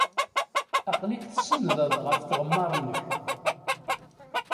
Aql-ik tsenndeḍ ɣef tɣemmar-nnek.